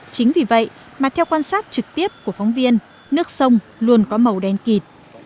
chính vì vậy mà theo quan sát trực tiếp của phóng viên nước sông luôn có màu đen kịt